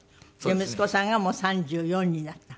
息子さんがもう３４になった。